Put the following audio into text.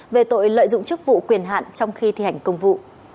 về tội lợi dụng chức vụ quyền hạn trong khi thi hành công vụ